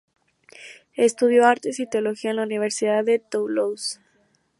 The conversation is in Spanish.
Estudió artes y teología en la Universidad de Toulouse.